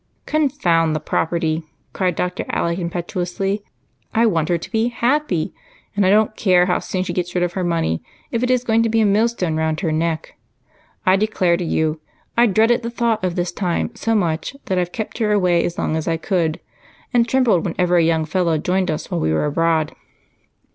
"Confound the property!" cried Dr. Alec impetuously. "I want her to be happy, and I don't care how soon she gets rid of her money if it is going to be a millstone round her neck. I declare to you, I dreaded the thought of this time so much that I've kept her away as long as I could and trembled whenever a young fellow joined us while we were abroad.